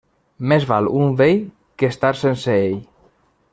Més val un vell que estar sense ell.